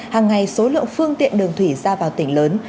hàng ngày số lượng phương tiện đường thủy ra vào tỉnh lớn